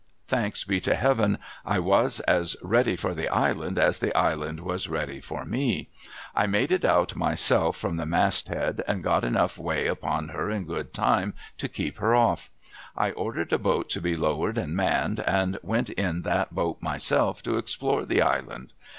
Thanks be to Heaven, I was as ready for the island as the island was ready for me. I made it out myself from the masthead, and I got enough way upon her in good time to keep her off. I ordered a boat to be lowered and manned, and went in that boat myself to explore the island.